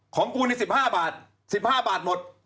ของกูนี่๑๕บาท๑๕บาทหมด